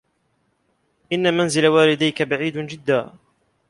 إنّ منزل والديك بعيد جدّا.